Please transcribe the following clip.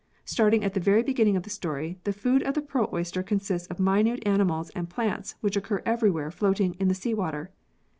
Starting at the very beginning of the story, the food of the pearl oyster consists of minute animals and plants which occur everywhere floating in the sea water.